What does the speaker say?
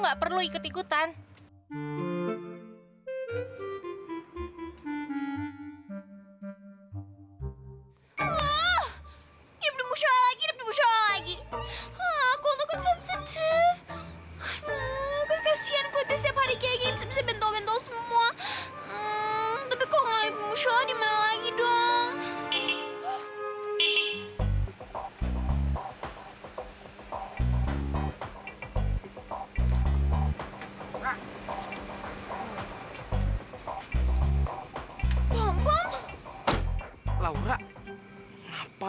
aduh gimana ya